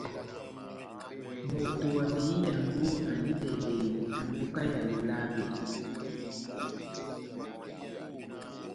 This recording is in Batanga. Moto wa behiyango andi bɛhi-bɛhi na mboka ya Lolabe.